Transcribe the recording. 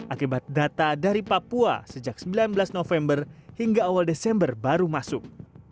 akibat data dari papua sejak sembilan belas november hingga awal desember baru masuk